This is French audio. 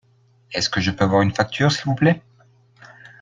Est-ce que je peux avoir une facture s'il vous plait ?